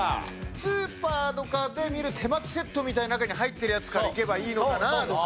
スーパーとかで見る手巻きセットみたいな中に入ってるやつからいけばいいのかなとか。